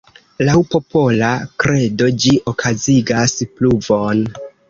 Laŭ popola kredo, ĝi okazigas pluvon.